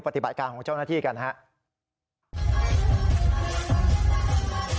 ปฏิบัติการของเจ้าหน้าที่กันครับ